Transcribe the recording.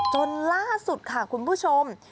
จนล่าสุดค่ะคุณผู้ชม